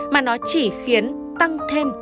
mà nó chỉ khiến tăng thêm